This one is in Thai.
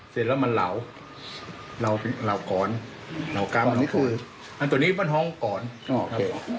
เสร็จแล้วมันเหล่าเหล่าเหล่ากรรมเหล่ากรรมนี่คืออันตัวนี้มันห้องกรรมอ๋อโอเค